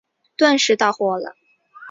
顿时到货了